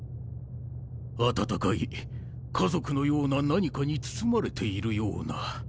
温かい家族のような何かに包まれているような。